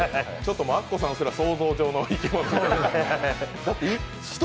アッコさんすら想像上の生き物と。